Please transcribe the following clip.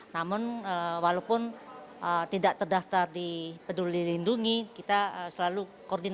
namun walaupun tidak terdaftar di peduli lindungi kita selalu koordinasi